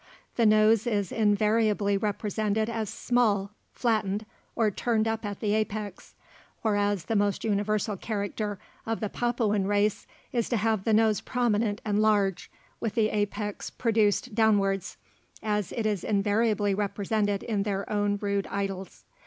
The nose is invariably represented as small, flattened, or turned up at the apex, whereas the most universal character of the Papuan race is to have the nose prominent and large, with the apex produced downwards, as it is invariably represented in their own rude idols.